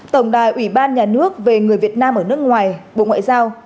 tổng đài ủy ban nhà nước về người việt nam ở nước ngoài bộ ngoại giao